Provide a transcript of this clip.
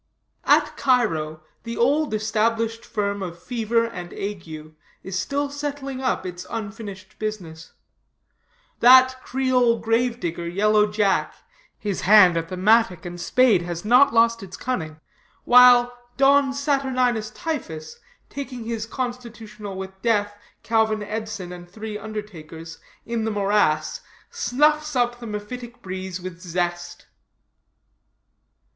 At Cairo, the old established firm of Fever & Ague is still settling up its unfinished business; that Creole grave digger, Yellow Jack his hand at the mattock and spade has not lost its cunning; while Don Saturninus Typhus taking his constitutional with Death, Calvin Edson and three undertakers, in the morass, snuffs up the mephitic breeze with zest.